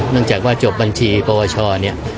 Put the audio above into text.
จากว่าจบบัญชีปวชเนี่ย